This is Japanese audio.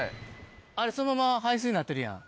あれそのまま排水になってるやん。